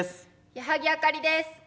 矢作あかりです。